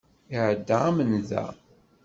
Iɛedda am nnda.